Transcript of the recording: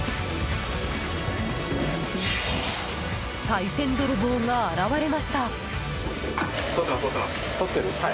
さい銭泥棒が現れました。